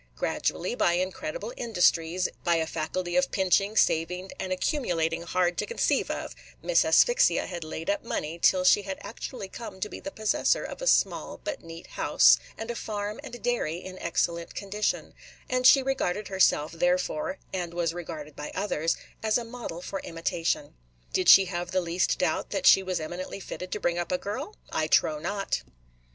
Gradually, by incredible industries, by a faculty of pinching, saving, and accumulating hard to conceive of, Miss Asphyxia had laid up money till she had actually come to be the possessor of a small but neat house, and a farm and dairy in excellent condition; and she regarded herself, therefore, and was regarded by others, as a model for imitation. Did she have the least doubt that she was eminently fitted to bring up a girl? I trow not.